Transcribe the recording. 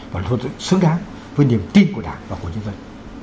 và thật sự xứng đáng với niềm tin của đảng và của nhân dân